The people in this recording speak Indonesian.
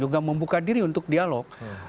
juga membuka diri untuk dialog